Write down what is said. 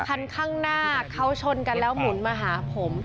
คันข้างหน้าเขาชนกันแล้วหมุนมาหาผม